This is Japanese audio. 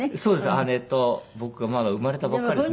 姉と僕はまだ生まれたばっかりですね。